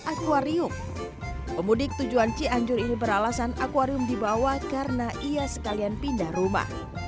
akuarium pemudik tujuan cianjur ini beralasan akwarium dibawa karena ia sekalian pindah rumah